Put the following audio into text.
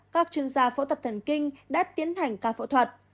các chuyên gia phẫu thuật thần kinh đã tiến hành ca phẫu thuật